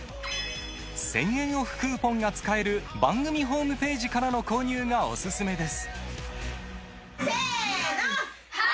１０００円オフクーポンが使える番組ホームページからの購入がオススメです